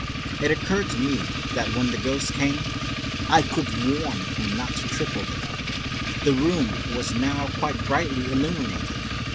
It occurred to me that when the ghost came I could warn him not to trip over them. The room was now quite brightly illuminated.